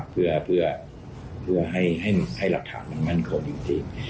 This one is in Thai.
เพื่อให้หลักฐานมันมั่นควรอยู่ดี